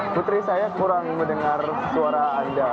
putri saya kurang mendengar suara anda